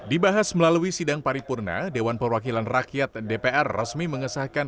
dibahas melalui sidang paripurna dewan perwakilan rakyat dpr resmi mengesahkan